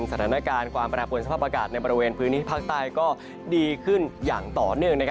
สถานการณ์ความแปรปวนสภาพอากาศในบริเวณพื้นที่ภาคใต้ก็ดีขึ้นอย่างต่อเนื่อง